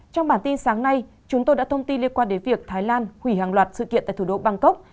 trong bản tin sáng nay chúng tôi đã thông tin liên quan đến việc thái lan hủy hàng loạt sự kiện tại thủ đô bangkok